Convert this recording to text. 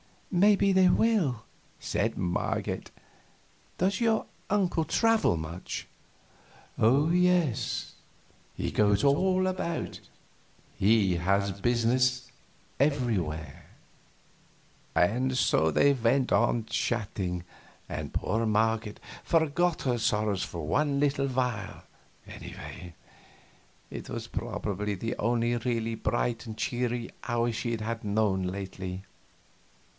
"Maybe they will," said Marget. "Does your uncle travel much?" "Oh yes, he goes all about; he has business everywhere." And so they went on chatting, and poor Marget forgot her sorrows for one little while, anyway. It was probably the only really bright and cheery hour she had known lately.